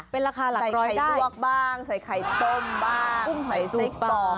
เป็นราคาหลักร้อยจ้ะ